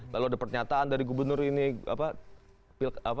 lalu ada pernyataan dari gubernur ini